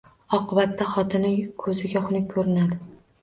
Oqibatda xotini ko‘ziga xunuk ko‘rinadi.